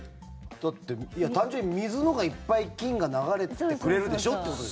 だって単純に水のほうがいっぱい菌が流れてくれるでしょってことです。